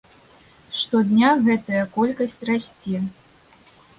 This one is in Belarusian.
Штодня гэтая колькасць расце.